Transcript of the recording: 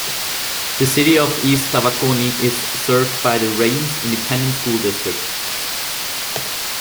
The City of East Tawakoni is served by the Rains Independent School District.